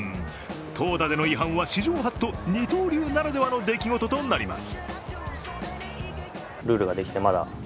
投打での違反は史上初と二刀流ならではの出来事となります。